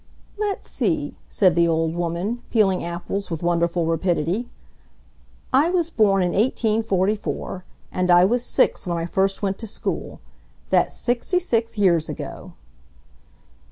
"Let's see," said the old woman, peeling apples with wonderful rapidity. "I was born in 1844. And I was six when I first went to school. That's sixty six years ago."